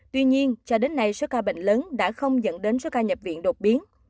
tuy nhiên cho đến nay số ca bệnh lớn đã không dẫn đến số ca nhập viện đột biến